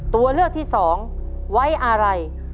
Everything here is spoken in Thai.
ตัวเลือกที่สองไว้อะไร